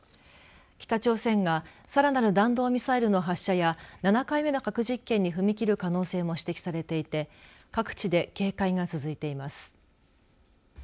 北朝鮮が、さらなる弾道ミサイルの発射や７回目の核実験に踏み切る可能性を指摘されていて各地で警戒が続いています。